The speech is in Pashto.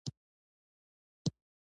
د تا خولی ښایسته ده